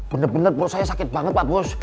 bener bener perut saya sakit banget pak bos